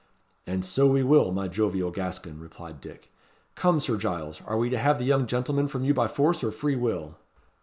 "And so we will, my jovial Gascon," replied Dick. "Come, Sir Giles! are we to have the young gentleman from you by force or free will?"